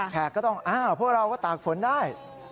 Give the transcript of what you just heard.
แขกก็ต้องอ้าวพวกเราก็ตากฝนได้